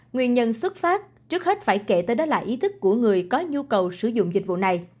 nguyên nhân xuất phát trước hết phải kể tới đó là ý thức của người có nhu cầu sử dụng dịch vụ này